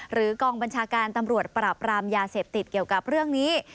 กองบัญชาการตำรวจปราบรามยาเสพติดเกี่ยวกับเรื่องนี้